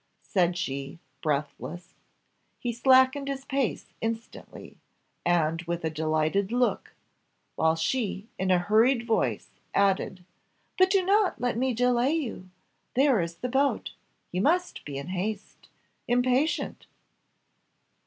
said she, breathless. He slackened his pace instantly, and with a delighted look, while she, in a hurried voice, added, "But do not let me delay you. There is the boat. You must be in haste impatient!"